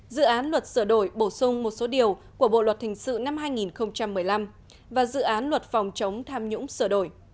dự án luật sửa đổi bổ sung một số điều của bộ luật thình sự năm hai nghìn một mươi năm và dự án luật phòng chống tham nhũng sửa đổi